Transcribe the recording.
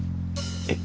えっ？